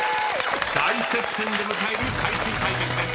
［大接戦で迎える最終対決です。